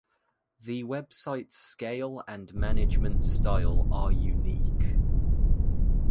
The website's scale and management style are unique.